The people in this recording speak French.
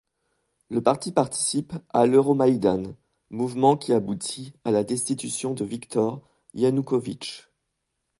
Le parti participe à l'Euromaïdan, mouvement qui aboutit à la destitution de Viktor Yanoukovitch.